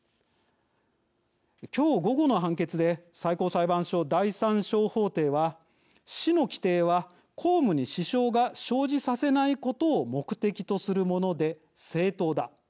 今日午後の判決で最高裁判所第３小法廷は市の規定は、公務に支障が生じさせないことを目的とするもので正当だ。